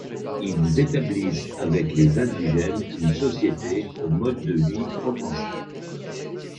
Ils établissent avec les indigènes une société au mode de vie provençal.